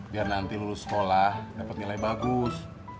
biar nanti lulus sekolah dapat nilai bagus